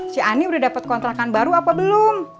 si anik udah dapet kontrakan baru apa belum